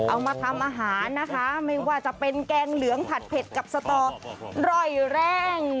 เอามาทำอาหารนะคะไม่ว่าจะเป็นแกงเหลืองผัดเผ็ดกับสตออร่อยแรง